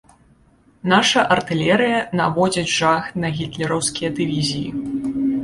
Наша артылерыя наводзіць жах на гітлераўскія дывізіі.